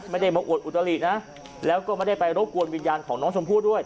ไม่ได้มาอวดอุตลินะแล้วก็ไม่ได้ไปรบกวนวิญญาณของน้องชมพู่ด้วย